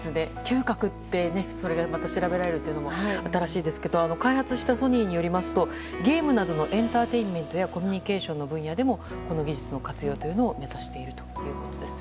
嗅覚を調べられるのも新しいですけども開発したソニーによりますとゲームなどのエンターテインメントやコミュニケーションの分野でもこの技術の活用を目指しているということです。